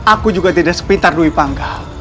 aku juga tidak sepintar dwi pangga